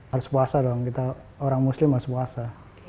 harus puasa dong kita orang muslim harus puasa